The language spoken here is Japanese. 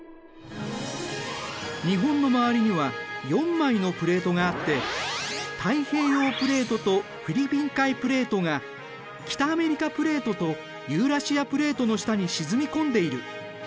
日本の周りには４枚のプレートがあって太平洋プレートとフィリピン海プレートが北アメリカプレートとユーラシアプレートの下に沈み込んでいる。